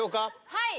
はい。